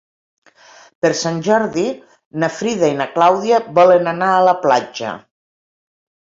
Per Sant Jordi na Frida i na Clàudia volen anar a la platja.